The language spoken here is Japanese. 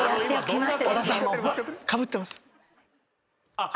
あっ。